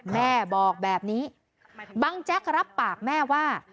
แม่บอกแบบนี้บังแจ๊กรับปากแม่ว่า